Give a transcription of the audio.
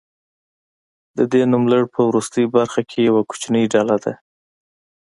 د دې نوملړ په وروستۍ برخه کې یوه کوچنۍ ډله ده.